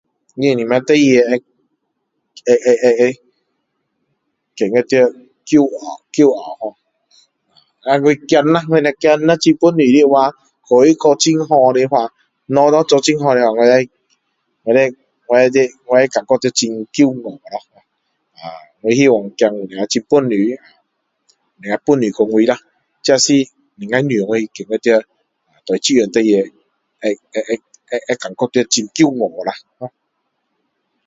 什么事情会觉得骄傲吼我孩子啦我孩子如果很本事的话考书考的很好的话东西如果做的很好的话我会我会我会感觉到很骄傲啦我希望我孩子能很本事本事过我啦这是能够让我觉得骄傲啦对这样这样事情会觉得到很骄傲啦